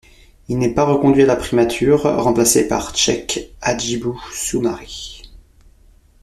Il n'est pas reconduit à la primature, remplacé par Cheikh Hadjibou Soumaré.